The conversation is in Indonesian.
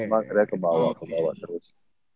emang dia kebawa kebawa terus